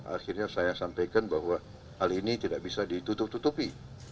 akhirnya saya sampaikan bahwa hal ini tidak bisa ditutup tutupi